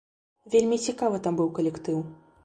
Вельмі цікавы там быў калектыў.